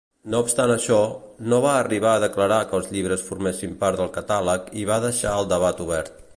No obstant això, no van arribar a declarar que els llibres formessin part del catàleg i van deixar el debat obert.